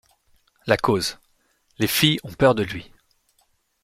La cause: les filles ont peur de lui.